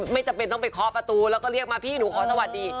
ไม่จำเป็นต้องไปเคาะประตูแล้วก็เรียกมาพี่หนูขอสวัสดี